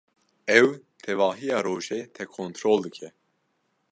Ew tevahiya rojê te kontrol dike.